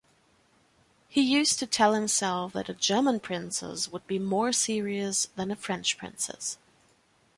He used to tell himself that a German princess would be more serious than a French princess.